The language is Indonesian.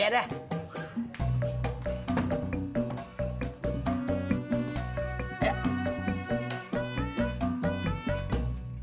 cendol manis dingin